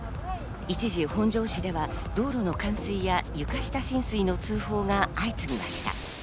一時、本庄市では道路の冠水や床下浸水の通報が相次ぎました。